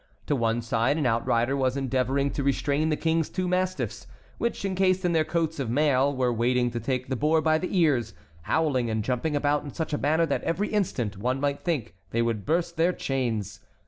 To one side an outrider was endeavoring to restrain the King's two mastiffs, which, encased in their coats of mail, were waiting to take the boar by the ears, howling and jumping about in such a manner that every instant one might think they would burst their chains.